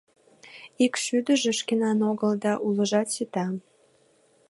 Ик шӱдыжӧ шкенан огыл да, улыжат сита.